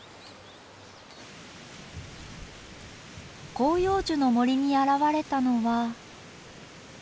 広葉樹の森に現れたのは。